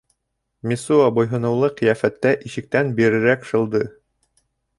Мессуа буйһоноулы ҡиәфәттә ишектән бирерәк шылды.